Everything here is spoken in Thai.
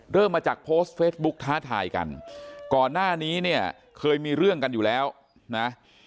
เริ่มมาจากโพสต์เฟซบุ๊กท้าทายกันก่อนหน้านี้เนี่ยเคยมีเรื่องกันอยู่แล้วนะ